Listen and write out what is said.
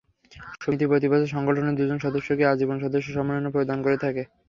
সমিতি প্রতি বছর সংগঠনের দুজন সদস্যকে আজীবন সদস্য সম্মাননা প্রদান করে থাকে।